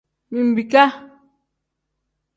Mbiika.